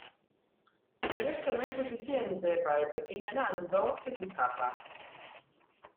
Pero esto no es suficiente para el pequeño Nando, que se escapa.